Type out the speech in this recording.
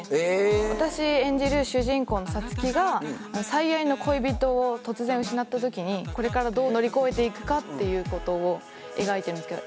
私演じる主人公のさつきが最愛の恋人を突然失ったときに、これからどう乗り越えていくかということを描いてるんですけど。